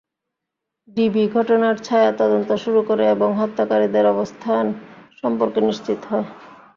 DB ঘটনার ছায়া তদন্ত শুরু করে এবং হত্যাকারীদের অবস্থান সম্পর্কে নিশ্চিত হয়।